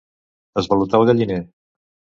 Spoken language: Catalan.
Esvalotar el galliner.